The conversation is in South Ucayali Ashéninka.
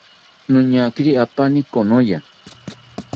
Noñakiri apaani konoya